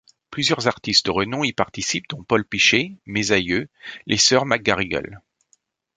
Plusieurs artistes de renom y participent dont Paul Piché, Mes Aïeux, les sœurs McGarrigle.